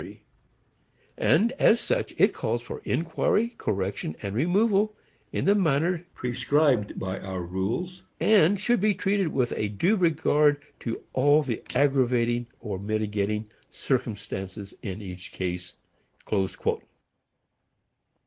3; and as such it calls for inquiry, correction and removal, in the manner prescribed by our rules, and should be treated with a due regard to all the aggravating or mitigating circumstances in each case."